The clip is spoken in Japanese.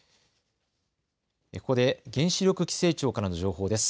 ここで原子力規制庁からの情報です。